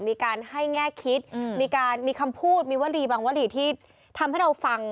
มีการให้แง่คิดมีการมีคำพูดมีวลีบางวลีที่ทำให้เราฟัง